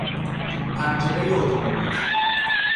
پنجرهی اتومبیل